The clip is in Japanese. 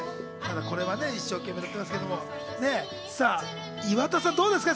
一生懸命歌ってますけど、岩田さん、どうですか？